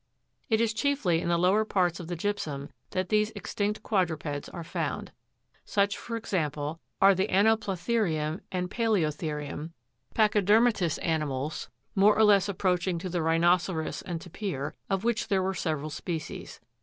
It is chiefly in the lower parts of the gypsum that these extinct quadrupeds are found. Such, for ex ample, are the anoplo the'rium and palco thefriwn, pachyder matous animals, more or less approaching to the rhinoceros and ta pir, of which there were several species.